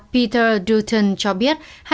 peter dutton cho biết